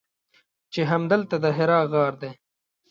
چې همدلته د حرا غار دی.